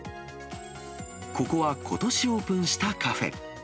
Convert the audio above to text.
ここは、ことしオープンしたカフェ。